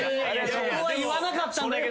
そこは言わなかったんだけど。